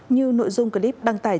như nội dung clip đăng tải